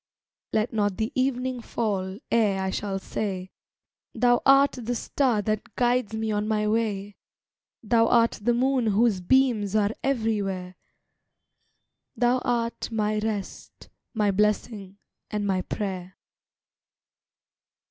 Let not the evening fall ere I shall say "Thou art the Star that guides me on my way, Thou art the Moon whose beams are everywhere, Thou art my rest, my blessing, and my prayer."